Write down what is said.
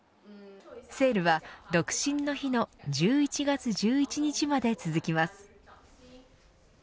セールは、独身の日の１１月１１日まで続きます。